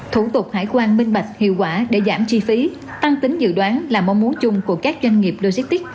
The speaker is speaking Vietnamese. thủ tục hải quan minh bạch hiệu quả để giảm chi phí tăng tính dự đoán là mong muốn chung của các doanh nghiệp logistics